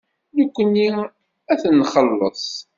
Nekkni ad t-nxelleṣ.